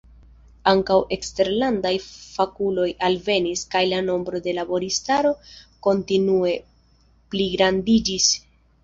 Ankaŭ eksterlandaj fakuloj alvenis, kaj la nombro de laboristaro kontinue pligrandiĝis.